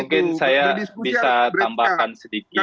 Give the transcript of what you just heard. mungkin saya bisa tambahkan sedikit